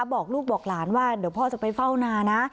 บอกลูกบอกหลานว่าเดี๋ยวพ่อจะไปเฝ้านานะ